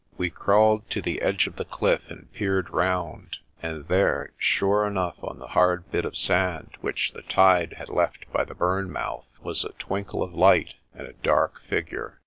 We crawled to the edge of the cliff and peered round, and there sure enough on the hard bit of sand which the tide had left by the burn mouth was a twinkle of light and a dark figure.